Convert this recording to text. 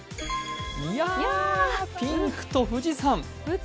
いや、ピンクと富士山。